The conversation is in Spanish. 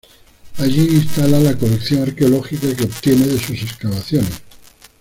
Allí instala la colección arqueológica que obtiene de sus excavaciones.